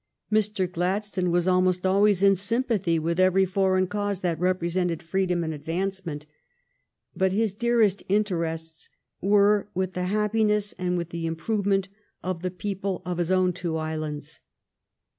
Mr. Gladstone was almost always THE REPEAL OF THE TAXES ON EDUCATION 233 in sympathy with every foreign cause that repre sented freedom and advancement, but his dearest interests were with the happiness and with the improvement of the people of his own two islands.